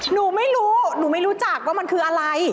หนูไม่รู้หนูไม่รู้จักว่ามันคืออะไร